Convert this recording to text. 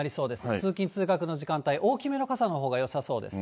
通勤・通学の時間帯、大きめの傘のほうがよさそうです。